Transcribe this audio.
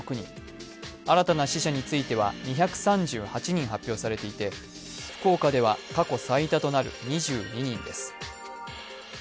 新たな死者については２３８人発表されていて福岡では過去最多となる２２人です。